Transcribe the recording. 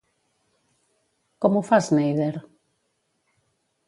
Com ho fa Schneider?